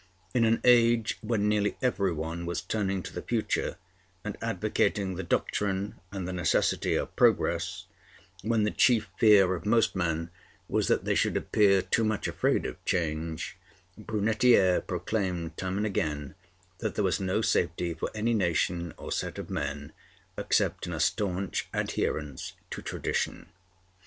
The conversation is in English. In an age when nearly every one was turning to the future and advocating the doctrine and the necessity of progress, when the chief fear of most men was that they should appear too much afraid of change, Brunetière proclaimed time and again that there was no safety for any nation or set of men except in a staunch adherence to tradition.